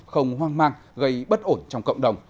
không hoang mang gây bất ổn trong cộng đồng